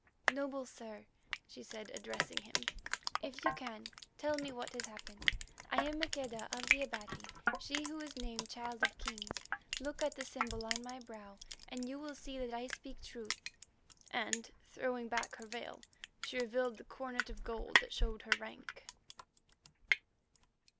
"Noble sir," she said, addressing him, "if you can, tell me what has happened. I am Maqueda of the Abati, she who is named Child of Kings. Look at the symbol on my brow, and you will see that I speak truth," and, throwing back her veil, she revealed the coronet of gold that showed her rank.